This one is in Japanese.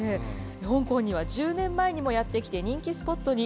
香港には１０年前にもやって来て、人気スポットに。